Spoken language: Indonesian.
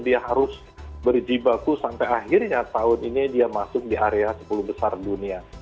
dia harus berjibaku sampai akhirnya tahun ini dia masuk di area sepuluh besar dunia